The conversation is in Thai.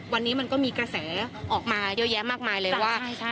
วันนี้มันก็มีกระแสออกมาเยอะแยะมากมายเลยว่า